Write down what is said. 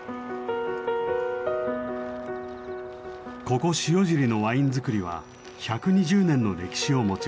ここ塩尻のワイン造りは１２０年の歴史を持ちます。